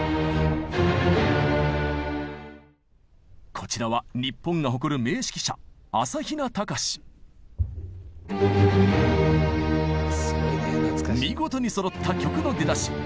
こちらは日本が誇る名指揮者見事にそろった曲の出だし。